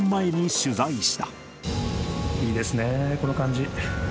いいですね、この感じ。